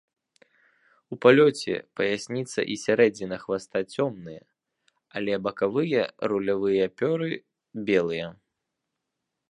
У палёце паясніца і сярэдзіна хваста цёмныя, але бакавыя рулявыя пёры белыя.